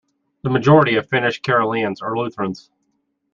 The majority of Finnish Karelians are Lutherans.